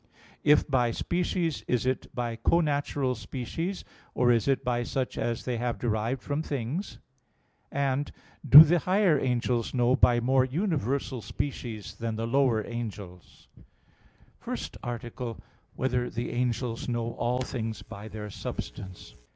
(2) If by species, is it by connatural species, or is it by such as they have derived from things? (3) Do the higher angels know by more universal species than the lower angels? _______________________ FIRST ARTICLE [I, Q. 55, Art. 1] Whether the Angels Know All Things by Their Substance?